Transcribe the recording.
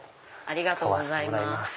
ありがとうございます。